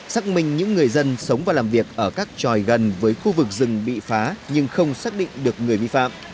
xác minh những người dân sống và làm việc ở các tròi gần với khu vực rừng bị phá nhưng không xác định được người vi phạm